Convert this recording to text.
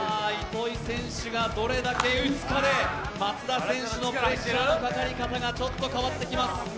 糸井選手がどれだけ打つかで、松田選手のプレッシャーのかかり方がちょっと変わってきます。